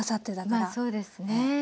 まあそうですね。